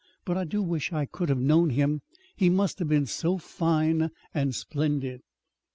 But I do wish I could have known him. He must have been so fine and splendid!'"